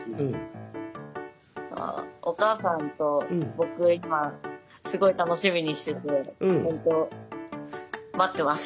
あお母さんと僕が今すごい楽しみにしててほんと待ってます。